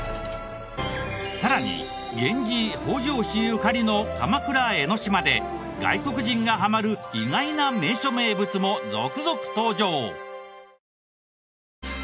さらに源氏北条氏ゆかりの鎌倉・江の島で外国人がハマる意外な名所・名物も続々登場！